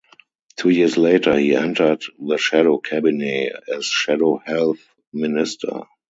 Two years later he entered the shadow Cabinet as shadow Health Minister.